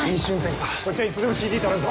こっちはいつでもＣＴ撮れるぞ。